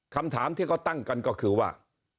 คำถามที่เขาตั้งกันก็คือว่า